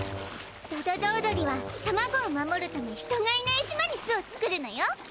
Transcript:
ドドドー鳥はタマゴを守るため人がいない島に巣を作るのよ。